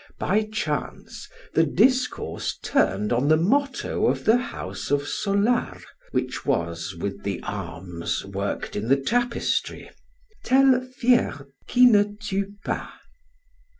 By chance, the discourse turned on the motto of the house of Solar, which was, with the arms, worked in the tapestry: 'Tel fiert qui ne fue pas'.